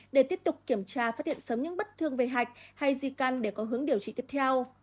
để tiếp tục kiểm tra phát hiện sớm những bất thương về hạch hay di căn để có hướng điều trị tiếp theo